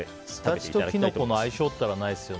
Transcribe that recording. スダチとキノコの相性ったらないですよね。